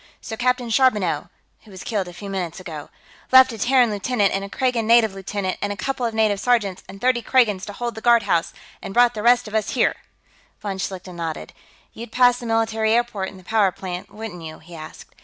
So Captain Charbonneau, who was killed a few minutes ago, left a Terran lieutenant and a Kragan native lieutenant and a couple of native sergeants and thirty Kragans to hold the guardhouse, and brought the rest of us here." Von Schlichten nodded. "You'd pass the military airport and the power plant, wouldn't you?" he asked.